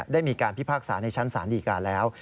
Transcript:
ได้มีการพิพากษาในชั้นศาลดีกาแล้ว